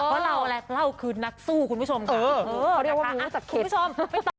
เพราะเราแหละเราคือนักสู้คุณผู้ชมคุณผู้ชม